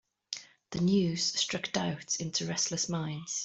The news struck doubt into restless minds.